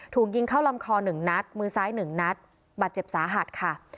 ถูกยิงเข้าลำคอหนึ่งนัดมือซ้ายหนึ่งนัดบัตรเจ็บสาหัสค่ะ